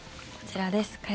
こちらです。